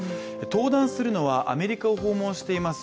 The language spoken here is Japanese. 登壇するのはアメリカを訪問しています